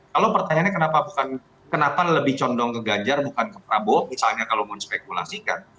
kalau pertanyaannya kenapa lebih condong ke ganjar bukan ke prabowo misalnya kalau menspekulasikan